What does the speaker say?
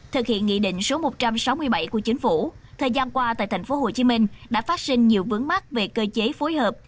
thực hiện nghị định số một trăm sáu mươi bảy của chính phủ thời gian qua tại tp hcm đã phát sinh nhiều vướng mắt về cơ chế phối hợp